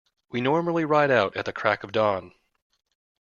We normally ride out at the crack of dawn.